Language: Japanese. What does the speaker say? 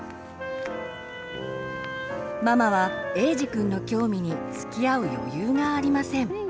ママはえいじくんの興味につきあう余裕がありません。